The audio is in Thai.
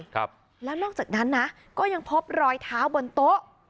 ครับแล้วนอกจากนั้นนะก็ยังพบรอยเท้าบนโต๊ะ